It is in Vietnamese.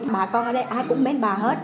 bà con ở đây ai cũng mến bà hết